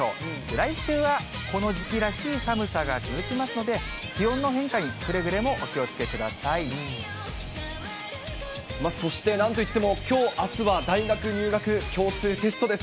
来週はこの時期らしい寒さが続きますので、気温の変化にくれぐれそして、なんといってもきょう、あすは大学入学共通テストです。